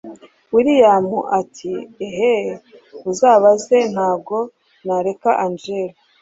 william ati ehee uzabaze ntago nareka angella